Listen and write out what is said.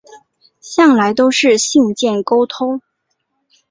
向来都是信件沟通